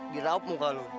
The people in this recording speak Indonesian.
diraup muka lo